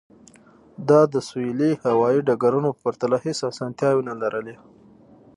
دا د سویلي هوایی ډګرونو په پرتله هیڅ اسانتیاوې نلري